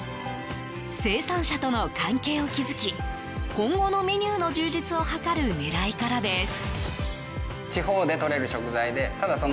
生産者との関係を築き今後のメニューの充実を図る狙いからです。